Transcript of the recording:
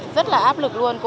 rất là áp lực luôn